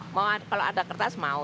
kalau ada kertas mau